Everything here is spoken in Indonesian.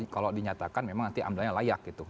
kalau dinyatakan memang nanti amdanya layak gitu